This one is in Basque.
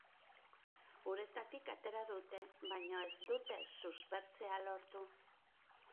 Uretatik atera dute, baina ez dute suspertzea lortu.